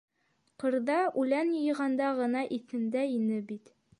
Ҡырҙа, үлән йыйғанда ғына иҫендә ине бит...